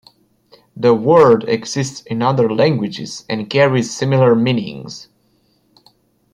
The word exists in other languages and carries similar meanings.